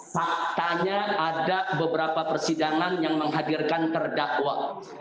faktanya ada beberapa persidangan yang menghadirkan terdakwa